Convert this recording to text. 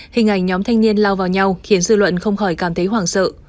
hình ảnh nhóm thanh niên lao vào nhau khiến dư luận không khỏi cảm thấy hoảng sợ